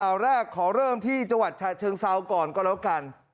แรกขอเริ่มที่จังหวัดฉะเชิงเซาก่อนก็แล้วกัน